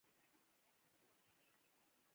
ټول په دې ستر کور کې زیږیدلي او لوی شوي دي.